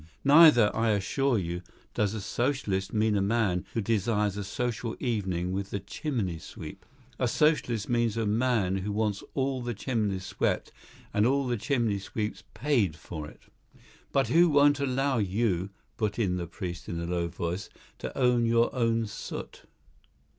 Neither, I assure you, does a Socialist mean a man who desires a social evening with the chimney sweep. A Socialist means a man who wants all the chimneys swept and all the chimney sweeps paid for it." "But who won't allow you," put in the priest in a low voice, "to own your own soot."